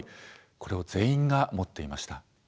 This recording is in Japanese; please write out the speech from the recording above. これを全員が持っていました。